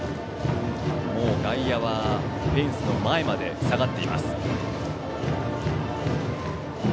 もう外野はフェンスの前まで下がっています。